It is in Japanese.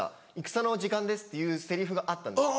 戦の時間です」っていうセリフがあったんですよ。